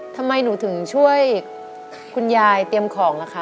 ทำไมหนูถึงช่วยคุณยายเตรียมของล่ะคะ